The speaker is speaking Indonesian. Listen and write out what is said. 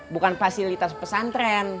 bukan fasilitas pesantren